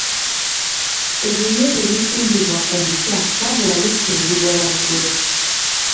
Ebiryo tebisimbibwa ku nkya wabula bisimbibwa lwaggulo.